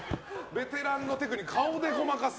ベテランのテクニック顔でごまかす。